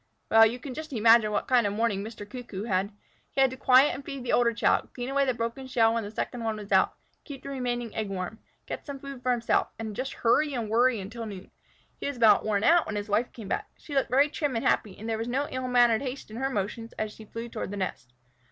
Well! You can just imagine what kind of morning Mr. Cuckoo had. He had to quiet and feed the older child, clear away the broken shell when the second was out, keep the remaining egg warm, get some food for himself, and just hurry and worry until noon. He was about worn out when his wife came back. She looked very trim and happy, and there was no ill mannered haste in her motions as she flew toward the nest.